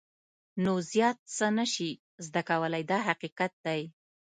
نو زیات څه نه شې زده کولای دا حقیقت دی.